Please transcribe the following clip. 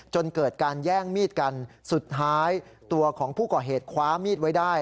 จนเกิดการแย่งมีดกันสุดท้ายตัวของผู้ก่อเหตุคว้ามีดไว้ได้